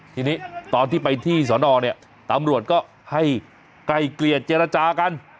ทีนี้ตอนที่ไปที่สอนอเนี่ยตำรวจก็ให้ไกลเกลี่ยเจรจากัน